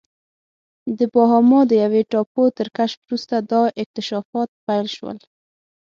د باهاما د یوې ټاپو تر کشف وروسته دا اکتشافات پیل شول.